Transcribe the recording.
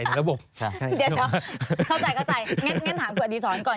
เข้าใจงั้นถามคุณอดีตสอนก่อน